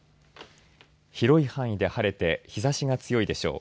広い範囲で晴れて日ざしが強いでしょう。